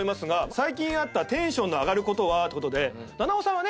最近あったテンションの上がることはってことで菜々緒さんはね